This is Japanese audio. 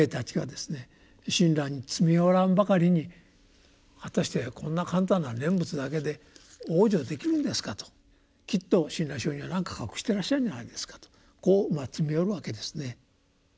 親鸞に詰め寄らんばかりに「果たしてこんな簡単な念仏だけで往生できるんですか」と「きっと親鸞聖人は何か隠してらっしゃるんじゃないですか」とこう詰め寄るわけですね。